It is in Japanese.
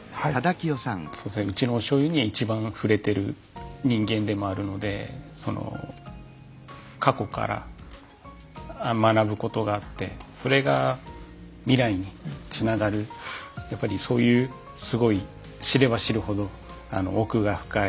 そうですねうちの醤油に一番触れてる人間でもあるので過去から学ぶことがあってそれが未来につながるやっぱりそういうすごい知れば知るほど奥が深い。